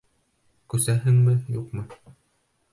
Күсәһеңме, юҡмы?!